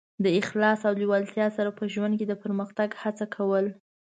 د اخلاص او لېوالتیا سره په ژوند کې د پرمختګ هڅه کول.